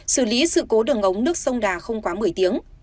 xử lý sự cố đường ống nước sông đà không quá một mươi tiếng